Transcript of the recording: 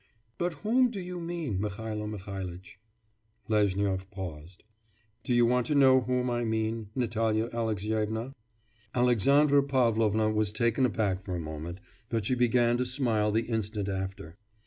'But whom do you mean, Mihailo Mihailitch?' Lezhnyov paused. 'Do you want to know whom I mean, Natalya Alexyevna?' Alexandra Pavlovna was taken aback for a moment, but she began to smile the instant after.